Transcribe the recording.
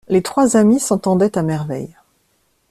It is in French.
Les trois amis s’entendaient à merveille.